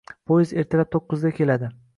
Poyezd ertalab to'qqizda keladi.